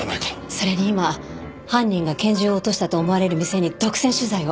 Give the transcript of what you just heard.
それに今犯人が拳銃を落としたと思われる店に独占取材を。